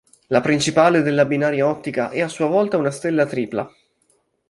La principale della binaria ottica è a sua volta una stella tripla.